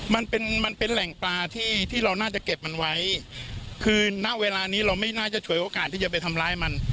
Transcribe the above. มันเป็นมันเป็นแหล่งปลาที่ที่เราน่าจะเก็บมันไว้คือณเวลานี้เราไม่น่าจะฉวยโอกาสที่จะไปทำร้ายมัน